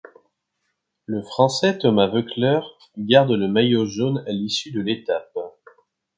Le Français Thomas Voeckler garde le maillot jaune à l'issue de l'étape.